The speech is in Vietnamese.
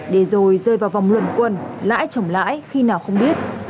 để rồi rơi vào vòng luận quân lãi chổng lãi khi nào không biết